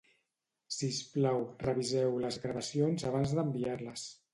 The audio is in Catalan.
Sisplau, reviseu les gravacions abans d'enviar-les